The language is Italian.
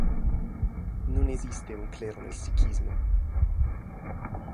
Non esiste un clero nel sikhismo.